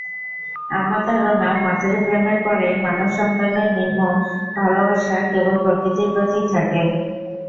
আমার ধারণা, মাতৃপ্রেমের পরেই মানবসন্তানের নির্মোহ ভালোবাসা কেবল প্রকৃতির প্রতিই থাকে।